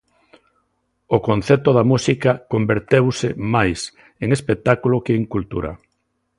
O concepto da música converteuse máis en espectáculo que en cultura.